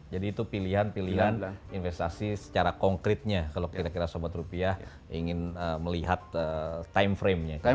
jadi itu pilihan pilihan investasi secara konkretnya kalau kira kira sobat rupiah ingin melihat time frame nya